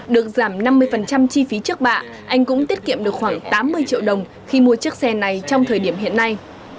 được giảm năm mươi chi phí trước bạ anh cũng tiết kiệm được khoảng tám mươi triệu đồng khi mua chiếc xe này trong thời điểm hiện nay